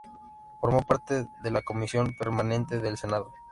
Formó parte de la comisión permanente del Senado.